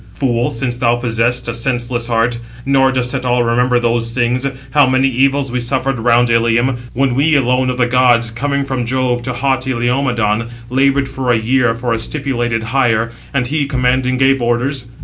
Fool, since thou possessest a senseless heart; nor dost at all remember those things, how many evils we suffered round Ilium, when we alone of the gods, coming from Jove to haughty Laomedon, laboured for a year for a stipulated hire, and he, commanding, gave orders?